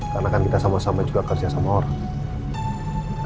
karena kan kita sama sama juga kerjasama orang